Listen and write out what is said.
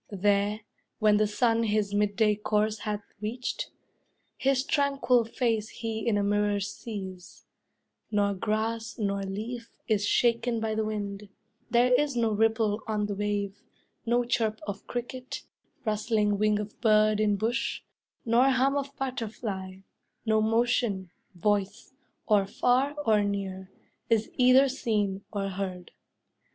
There, when the sun his mid day course hath reached, His tranquil face he in a mirror sees: Nor grass nor leaf is shaken by the wind; There is no ripple on the wave, no chirp Of cricket, rustling wing of bird in bush, Nor hum of butterfly; no motion, voice, Or far or near, is either seen or heard.